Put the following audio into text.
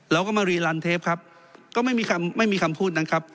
เราก็มารีลันเทปครับก็ไม่มีคำไม่มีคำพูดนั้นครับ